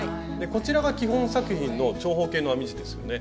こちらが基本作品の長方形の編み地ですよね。